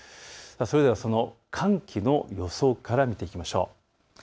それではその寒気の予想から見ていきましょう。